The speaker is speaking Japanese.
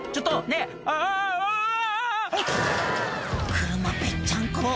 車ぺっちゃんこ！